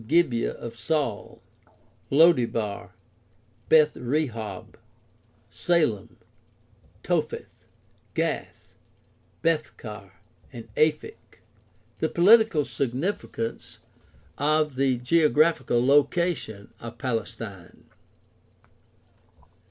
Gibeah of Saul, Lo debar, Beth rehob, Salem, Topheth, Gath, Bethcar, and Aphek. The political significance of the geographical location of Palestine.